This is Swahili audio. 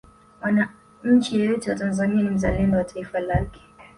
mwanachi yeyote wa tanzania ni mzalendo wa taifa lake